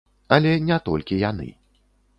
Але не толькі яны.